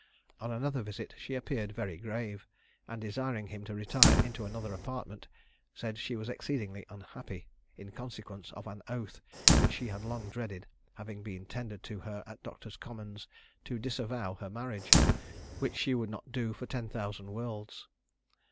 On another visit she appeared very grave, and desiring him to retire into another apartment, said she was exceedingly unhappy, in consequence of an oath, which she had long dreaded, having been tendered to her at Doctors' Commons to disavow her marriage, which she would not do for ten thousand worlds.